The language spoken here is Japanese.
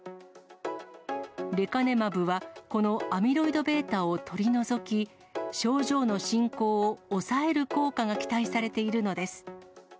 レカネマブは、このアミロイドβを取り除き、症状の進行を抑える効果が期待されているのです。